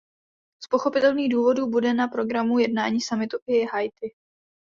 Z pochopitelných důvodů bude na programu jednání summitu i Haiti.